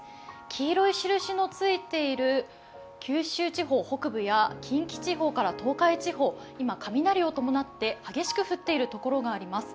黄色い印のついている九州地方北部や近畿地方から東海地方、今雷を伴って激しく降っている所があります。